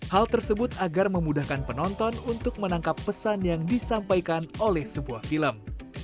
hal tersebut agar memudahkan penonton untuk menangkap pesan yang disampaikan oleh sebuah film